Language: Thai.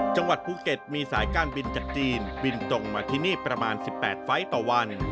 จังหวัดภูเก็ตมีสายการบินจากจีนบินตรงมาที่นี่ประมาณ๑๘ไฟล์ต่อวัน